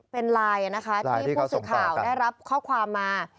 เป็นไลน์นะคะที่ผู้สื่อข่าวได้รับข้อความมา